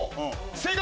正解！